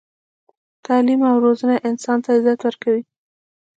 تعلیم او روزنه انسان ته عزت ورکوي.